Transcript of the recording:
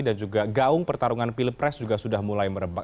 dan juga gaung pertarungan pilpres juga sudah mulai merebak